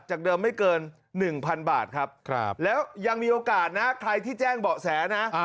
เดิมไม่เกิน๑๐๐๐บาทครับแล้วยังมีโอกาสนะใครที่แจ้งเบาะแสนะ